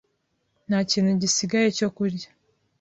Nta kintu gisigaye cyo kurya.